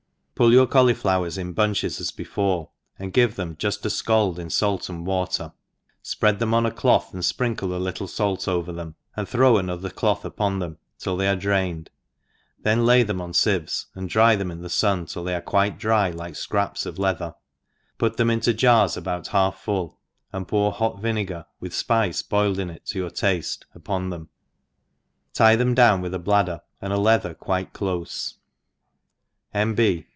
PULL your caul)rf[owers in bunches as be« fore, and give them jufl a icald in fait and water, fpread them on a cloth, and fprinkle a iittle fait over thcnsi, and throw another cloth upon them till they arc drained, then lay them on fieves, and dry them in the fun till they are qutte dry like fcraps of leather, put them into jars about half full, and pour hot vinegar (with fpice boiled in it to your tafte) upon them ; tie them down with a bladder, and a leather quite clofe,— iVi B.